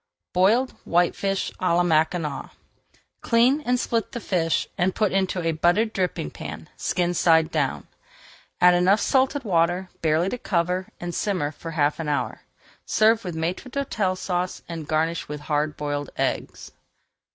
BOILED WHITEFISH À LA MACKINAC Clean and split the fish and put into a buttered dripping pan, skin side down. Add enough salted water barely to cover, and simmer for half an hour. Serve with Maître d'Hôtel Sauce and garnish with hard boiled eggs.